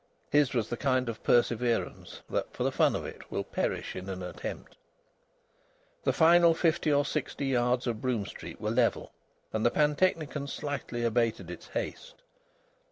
His was the kind of perseverance that, for the fun of it, will perish in an attempt. The final fifty or sixty yards of Brougham Street were level, and the pantechnicon slightly abated its haste.